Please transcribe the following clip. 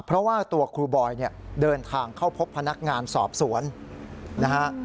เพราะว่าตัวครูบอยเนี่ยเดินทางเข้าพบพนักงานสอบสวนนะฮะ